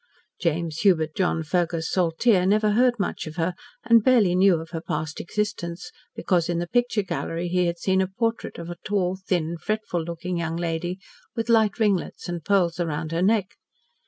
James Hubert John Fergus Saltyre never heard much of her, and barely knew of her past existence because in the picture gallery he had seen a portrait of a tall, thin, fretful looking young lady, with light ringlets, and pearls round her neck.